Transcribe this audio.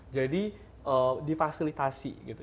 jadi difasilitasi gitu